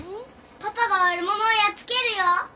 パパが悪者をやっつけるよ！